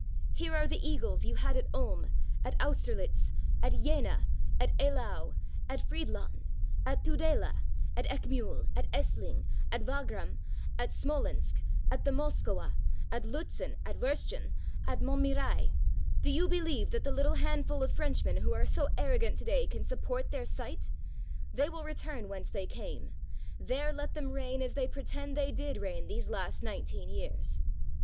Here are the eagles you had at Ulm, at Austerlitz, at Jena, at Eylau, at Fried land, at Tudela, at Eckmiihl, at Essling, at Wagram, at Smolensk, at the Moskowa, at Liitzen, at Wurschen, at Montmirail ! Do you believe that the little handful of Frenchmen who are so arrogant to day can suf)port their sight? They will return whence they came; there 364 WHEN NAPOLEON RETURNED FROM ELBA let them reign as they pretend they did reign these last nineteen years.